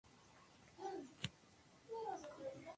Es conocido y usado por la humanidad desde tiempos ancestrales.